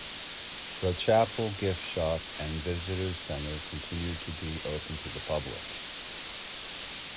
The Chapel, Gift Shop, and Visitors Center continue to be open to the public.